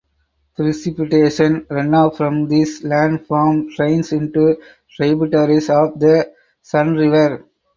Precipitation runoff from this landform drains into tributaries of the Sun River.